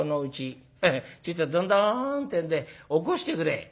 ちょいとドンドンッてえんで起こしてくれ」。